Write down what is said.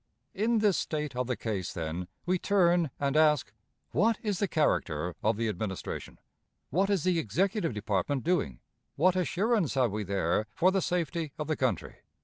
In this state of the case, then, we turn and ask, What is the character of the Administration? What is the Executive department doing? What assurance have we there for the safety of the country?